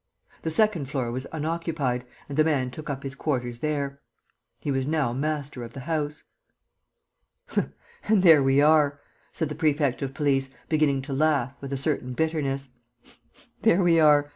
The second floor was unoccupied, and the man took up his quarters there. He was now master of the house. "And there we are!" said the prefect of police, beginning to laugh, with a certain bitterness. "There we are!